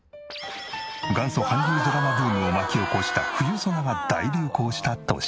元祖韓流ドラマブームを巻き起こした『冬ソナ』が大流行した年。